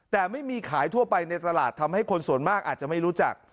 แต่ไม่มีขายทั่วไปในตลาดทำให้คนส่วนมากอาจจะไม่รู้จัก